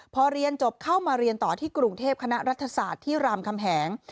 พอเรียนจบเข้ามาเรียนต่อที่กรุงเทพคณะรัฐศาสตร์ที่รามคำแหง